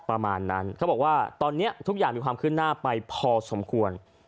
ประมาณนั้นเขาบอกว่าตอนนี้ทุกอย่างมีความขึ้นหน้าไปพอสมควร